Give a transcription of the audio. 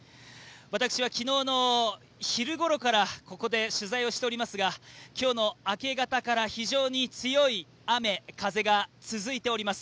私は昨日の昼ろからここで取材をしておりますが、今日の明け方から非常に強い雨・風が続いております。